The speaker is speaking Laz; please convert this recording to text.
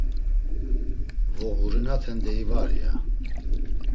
“Voğurinaten, deyi var!” ya.